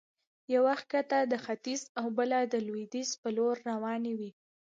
يوه کښتۍ د ختيځ او بله د لويديځ پر لور روانوي.